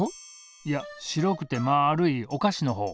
いや白くてまるいおかしのほう。